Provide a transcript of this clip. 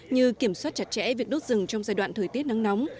như kiểm soát chặt chẽ việc đốt rừng trong giai đoạn thời tiết nắng nóng